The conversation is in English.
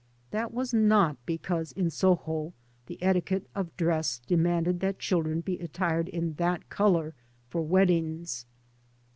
That was not because in Soho the etiquette of dress demanded that children be attired in that colour for weddings.